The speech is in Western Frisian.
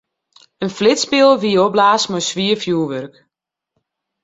In flitspeal wie opblaasd mei swier fjurwurk.